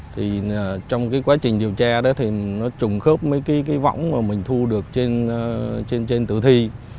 thì trong cái quá trình điều tra đó thì nó trùng khớp với cái võng mà mình thu được trên tử thi